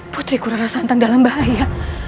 putri kura rara santang dalam bahaya